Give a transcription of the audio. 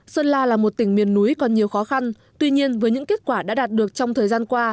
sơn la là một tỉnh miền núi còn nhiều khó khăn tuy nhiên với những kết quả đã đạt được trong thời gian qua